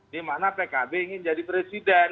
dimana pkb ingin jadi presiden